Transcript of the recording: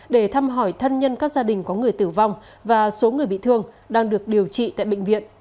để thăm hỏi thân nhân các gia đình có người tử vong và số người bị thương đang được điều trị tại bệnh viện